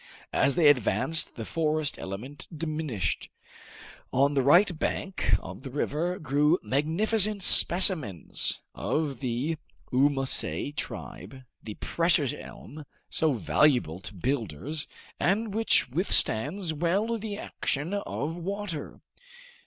As they advanced the forest element diminished. On the right bank of the river grew magnificent specimens of the ulmaceae tribe, the precious elm, so valuable to builders, and which withstands well the action of water.